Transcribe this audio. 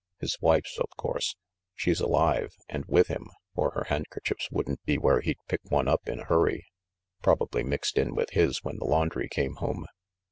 His wife's, of course. She's alive, and with him, or her handkerchiefs wouldn't be where he'd pick one up in a hurry; probably mixed in with his when the laundry came home."